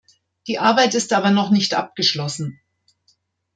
Die Arbeit ist aber noch nicht abgeschlossen.